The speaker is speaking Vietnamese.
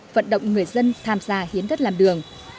vận động người dân tham gia hiến đất làm đường